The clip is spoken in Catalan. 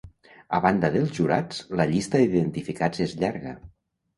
A banda dels jurats, la llista d'identificats és llarga.